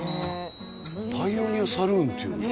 パイオニアサルーンっていうんだ